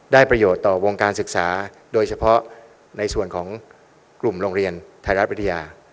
ประโยชน์ต่อวงการศึกษาโดยเฉพาะในส่วนของกลุ่มโรงเรียนไทยรัฐวิทยา